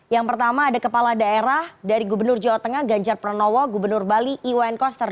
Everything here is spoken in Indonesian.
yang pertama ada kepala daerah dari gubernur jawa tengah ganjar pranowo gubernur bali iwan koster